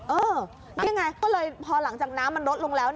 เออนี่ไงก็เลยพอหลังจากน้ำมันลดลงแล้ว